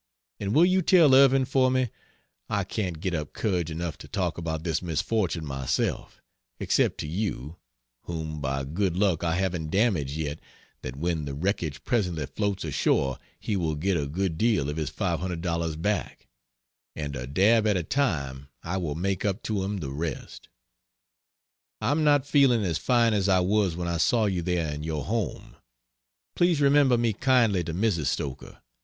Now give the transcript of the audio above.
And will you tell Irving for me I can't get up courage enough to talk about this misfortune myself, except to you, whom by good luck I haven't damaged yet that when the wreckage presently floats ashore he will get a good deal of his $500 back; and a dab at a time I will make up to him the rest. I'm not feeling as fine as I was when I saw you there in your home. Please remember me kindly to Mrs. Stoker.